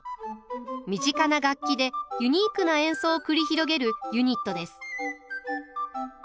身近な楽器でユニークな演奏を繰り広げるユニットです。